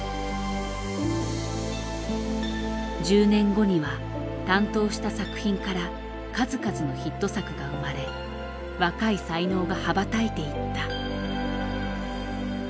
１０年後には担当した作品から数々のヒット作が生まれ若い才能が羽ばたいていった。